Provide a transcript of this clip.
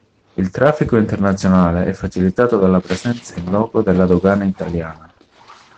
Il traffico internazionale è facilitato dalla presenza in loco della dogana italiana.